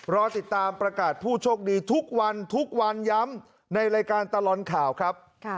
รอติดตามประกาศผู้โชคดีทุกวันทุกวันย้ำในรายการตลอดข่าวครับ